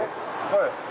はい。